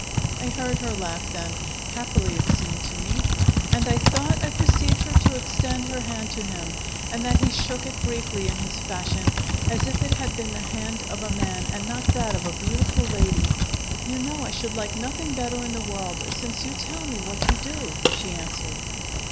I heard her laugh then happily, it seemed to me, and I thought I perceived her to extend her hand to him, and that he shook it briefly, in his fashion, as if it had been the hand of a man and not that of the beautiful lady. "You know I should like nothing better in the world since you tell me what you do," she answered.